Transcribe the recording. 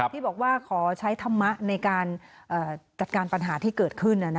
ที่บอกว่าขอใช้ธรรมะในการจัดการปัญหาที่เกิดขึ้น